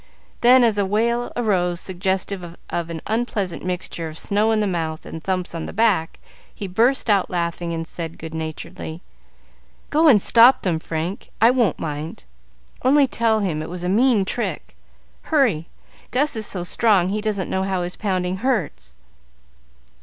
Then, as a wail arose suggestive of an unpleasant mixture of snow in the mouth and thumps on the back, he burst out laughing, and said, good naturedly, "Go and stop them, Frank; I won't mind, only tell him it was a mean trick. Hurry! Gus is so strong he doesn't know how his pounding hurts."